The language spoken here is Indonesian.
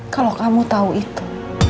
kalau kamu tahu itu